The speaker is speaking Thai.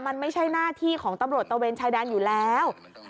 มันไม่ใช่หน้าที่ของตำรวจตะเวนชายแดนอยู่แล้ว